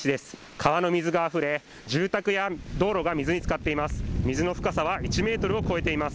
川の水があふれ住宅や道路が水につかっています。